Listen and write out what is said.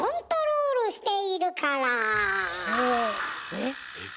えっ。